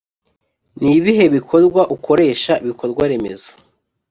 Nibihe Bikorwa ukoresha ibikorwaremezo